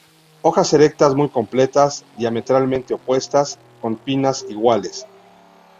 Hojas erectas muy completas, diametralmente opuestas, con pinnas iguales.